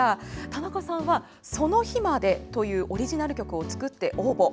田中さんは「その日まで」というオリジナル曲を作って応募。